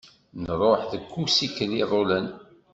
Nruḥ deg usikel iḍulen.